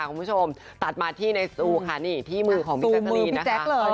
คุณผู้ชมตัดมาที่ในสู้ค่ะที่มือของเอ็กซัลลีนนะคะ